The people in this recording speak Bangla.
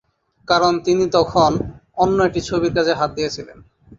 কারণ তিনি তখন অন্য একটি ছবির কাজে হাত দিয়েছিলেন।